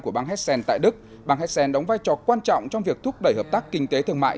của bang hessen tại đức bang hessen đóng vai trò quan trọng trong việc thúc đẩy hợp tác kinh tế thương mại